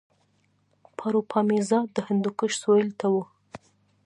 پاروپامیزاد د هندوکش سویل ته و